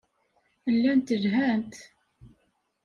Llant lhant.